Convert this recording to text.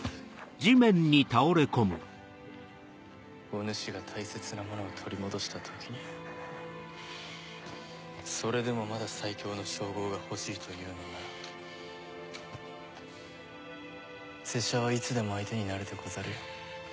お主が大切なものを取り戻した時にそれでもまだ最強の称号が欲しいというのなら拙者はいつでも相手になるでござるよ。